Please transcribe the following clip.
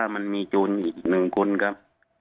มีจูนอีกหนึ่งคนครับ